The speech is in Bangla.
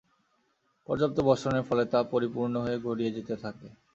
পর্যাপ্ত বর্ষণের ফলে তা পরিপূর্ণ হয়ে গড়িয়ে যেতে থাকে।